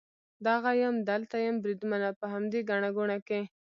دغه یم، دلته یم بریدمنه، په همدې ګڼه ګوڼه کې.